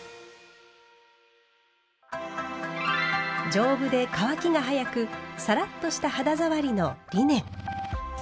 丈夫で乾きが早くサラッとした肌触りのリネン。